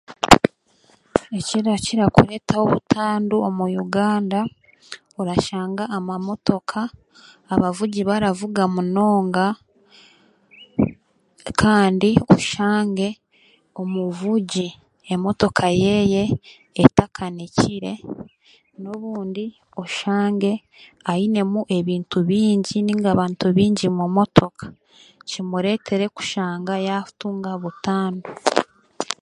Ekirakira kureetaho butandu omu Uganda, orashanga amamotoka, abavugi baravuga munonga, kandi oshange omuvugi, emotoka yeeye etakanikire, n'obundi oshange ainemu ebintu bingi nainga abantu baingi mu motoka, kimureetere kushanga yaatunga butandu.